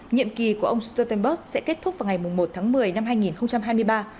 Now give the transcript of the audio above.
nhiệm kỳ của ông stoltenberg sẽ kết thúc vào ngày một tháng một mươi năm hai nghìn hai mươi ba